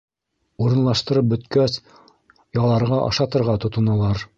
Урынлаштырып бөткәс, яларға-ашатырға тотоналар.